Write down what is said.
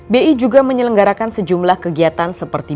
bi juga menyelenggarakan sejumlah kegiatan seperti